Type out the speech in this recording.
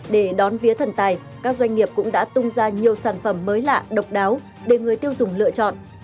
để đón vía thần tài các doanh nghiệp cũng đã tung ra nhiều sản phẩm mới lạ độc đáo để người tiêu dùng lựa chọn